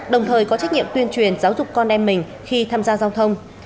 đồng thời có trách nhiệm tuyên truyền giáo dục con em mình khi tham gia giao thông